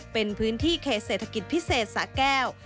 เป็นพื้นที่เขตเศรษฐกิจพิเศษสะแก้ว